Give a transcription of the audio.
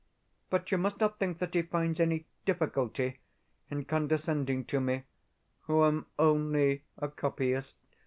But you must not think that he finds any DIFFICULTY in condescending to me, who am only a copyist.